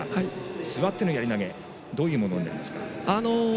座ってのやり投げどういうものになりますか。